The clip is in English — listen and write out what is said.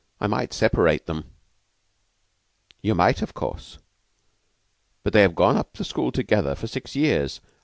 I might separate them." "You might, of course; but they have gone up the school together for six years.